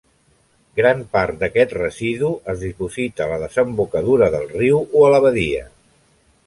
Gran part d'aquest residu es diposita a la desembocadura del riu o a la badia.